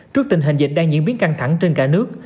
trước tình hình dịch đang diễn biến căng thẳng trên cả nước